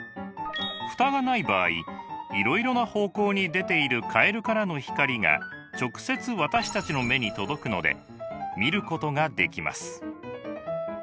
フタがない場合いろいろな方向に出ているカエルからの光が直接私たちの目に届くので見ることができます。